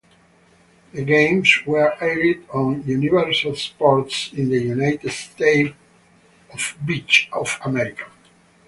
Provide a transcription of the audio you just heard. The games were aired on Universal Sports in the United States.